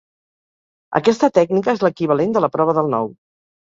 Aquesta tècnica és l'equivalent de la prova del nou.